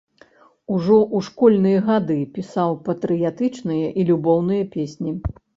Ужо ў школьныя гады пісаў патрыятычныя і любоўныя песні.